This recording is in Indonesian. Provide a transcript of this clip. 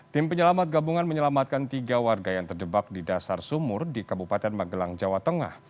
tim penyelamat gabungan menyelamatkan tiga warga yang terdebak di dasar sumur di kabupaten magelang jawa tengah